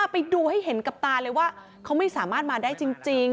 ไปดูให้เห็นกับตาเลยว่าเขาไม่สามารถมาได้จริง